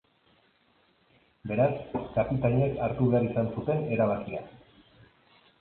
Beraz, kapitainek hartu behar izan zuten erabakia.